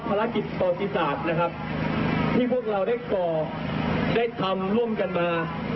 ภารกิจต่อสิจาทนะครับที่พวกเราได้ต่อได้ทำร่วมกันมา